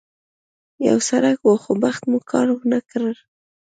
یو سړک و، خو بخت مو کار ونه کړ.